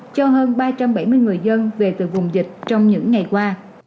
cho hơn ba trăm bảy mươi người dân về từ vùng dịch trong những ngày qua